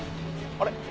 あれ？